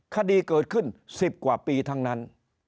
คดีเกิดขึ้น๑๐กว่าปีทั้งนั้น